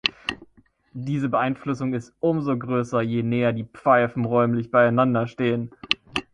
Diese Beeinflussung ist umso größer, je näher die Pfeifen räumlich beieinander stehen.